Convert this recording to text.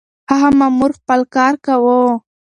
هغه مامور خپل کار کاوه.